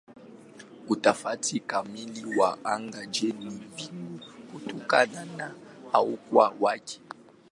Utafiti kamili wa anga-nje ni vigumu kutokana na ukubwa wake.